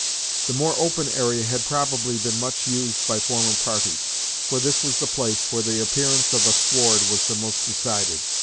The more open area had probably been much used by former parties, for this was the place where the appearance of a sward was the most decided.